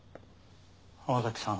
浜崎さん。